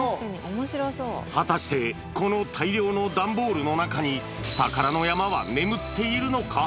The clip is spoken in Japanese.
果たして、この大量の段ボールの中に、宝の山は眠っているのか。